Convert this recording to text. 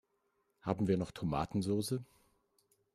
Haben wir noch Tomatensoße?